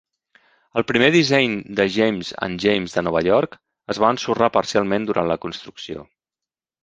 El primer disseny de James and James de Nova York es va ensorrar parcialment durant la construcció.